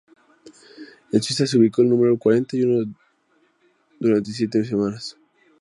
En Suiza se ubicó en el número cuarenta y uno durante siete semanas.